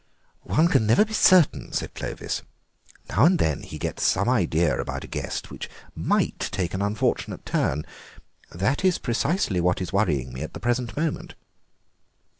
"One can never be certain," said Clovis; "now and then he gets some idea about a guest which might take an unfortunate turn. That is precisely what is worrying me at the present moment."